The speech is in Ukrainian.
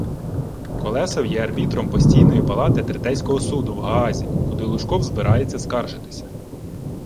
Колесов є арбітром Постійної палати Третейського суду в Гаазі, куди Лужков збирається скаржитися